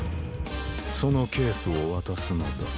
そのケースをわたすのだ。